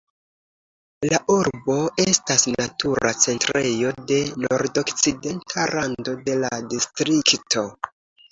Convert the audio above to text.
La urbo estas natura centrejo de nordokcidenta rando de la distrikto.